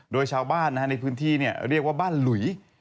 โดยชาวบ้านในพื้นที่เรียกว่าบ้านหลุย